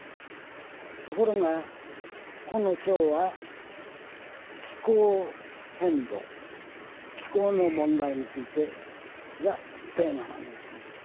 ところが、この賞は気候変動、気候の問題についてがテーマなんですね。